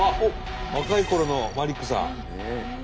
若いころのマリックさん。